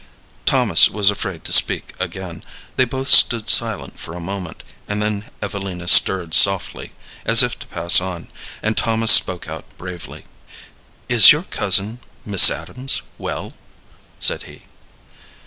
Thomas was afraid to speak again. They both stood silent for a moment, and then Evelina stirred softly, as if to pass on, and Thomas spoke out bravely. "Is your cousin, Miss Adams, well?" said he.